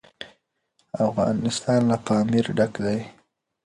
افغانستان له پامیر ډک دی.